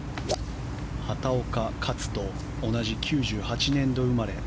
畑岡、勝と同じ９８年度生まれ。